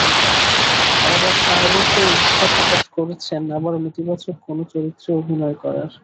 এবার শাহরুখও ইচ্ছা প্রকাশ করেছেন আবারও নেতিবাচক কোনো চরিত্রে অভিনয় করার।